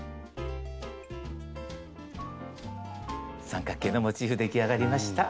三角形のモチーフ出来上がりました。